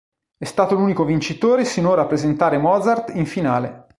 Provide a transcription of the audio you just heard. È stato l'unico vincitore sinora a presentare Mozart in finale.